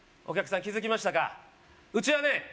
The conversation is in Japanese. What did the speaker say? お客さん気づきましたかうちはね